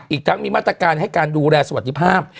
อีกทั้งมีมาตรการให้การดูแลสวัสดิภาพ